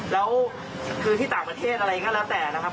แล้วคือที่ต่างประเทศอะไรก็แล้วแต่นะครับ